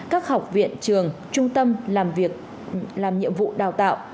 các học viện trường trung tâm làm việc làm nhiệm vụ đào tạo